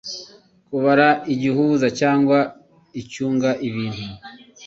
Kubura igihuza cyangwa icyunga ibintu,